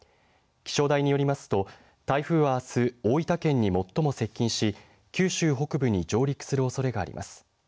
気象台によりますと台風はあす大分県に最も接近し九州北部に上陸するおそれがあります。